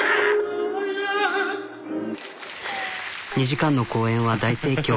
２時間の公演は大盛況。